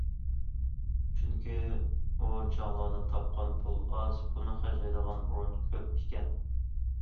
چۈنكى، ئۇ چاغلاردا تاپقان پۇل ئاز، پۇلنى خەجلەيدىغان ئورۇن كۆپ ئىكەن.